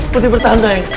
putri bertahan sayang